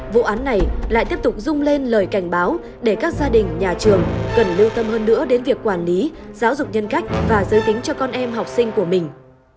vụ án này lại tiếp tục rung lên lời cảnh báo để các gia đình nhà trường cần lưu tâm hơn nữa đến việc quản lý giáo dục nhân cách và giới tính cho con em học sinh của mình